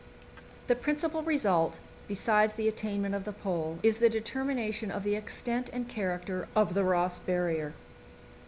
The principal result besides the attainment of the Pole is the determination of the extent and character of the Ross Barrier.